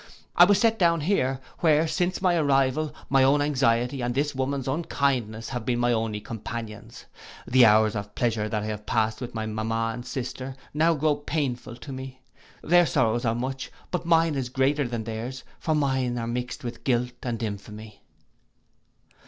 I was set down here, where, since my arrival, my own anxiety, and this woman's unkindness, have been my only companions. The hours of pleasure that I have passed with my mamma and sister, now grow painful to me. Their sorrows are much; but mine is greater than theirs; for mine are mixed with guilt and infamy.